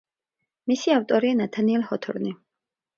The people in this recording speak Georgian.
მისი ავტორია ნათანიელ ჰოთორნი.